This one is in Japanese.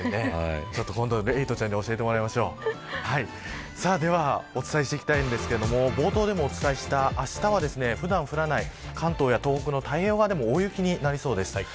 今度、エイトちゃんにではお伝えしていきたいんですが冒頭でもお伝えしたあしたは、普段降らない関東や東北でも大雪になりそうです。